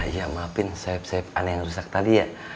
ya maafin sohib sohib ana yang rusak tadi ya